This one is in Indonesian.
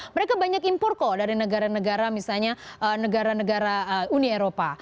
mereka banyak impor kok dari negara negara misalnya negara negara uni eropa